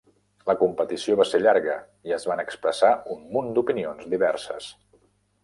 La competició va ser llarga i es van expressar un munt d'opinions diverses.